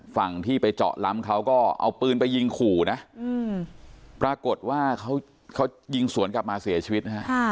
ฝั่งที่ไปเจาะล้ำเขาก็เอาปืนไปยิงขู่นะปรากฏว่าเขายิงสวนกลับมาเสียชีวิตนะฮะ